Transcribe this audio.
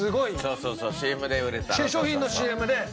そうそうそうＣＭで売れた。